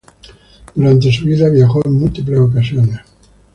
Durante su vida viajó en múltiples ocasiones.